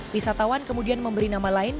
wisatawan kemudian memberi nama lain